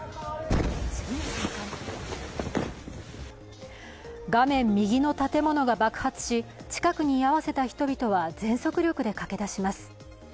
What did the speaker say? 次の瞬間画面右の建物が爆発し近くに居合わせた人々は全速力で駆け出します。